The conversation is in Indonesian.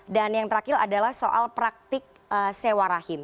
dan yang terakhir adalah soal praktik sewa rahim